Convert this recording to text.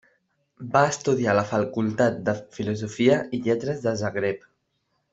Va estudiar a la Facultat de Filosofia i Lletres de Zagreb.